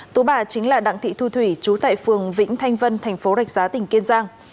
tố bà chính là đặng thị thu thủy chú tại phường vĩnh thanh vân thành phố rạch giá tỉnh kiên giang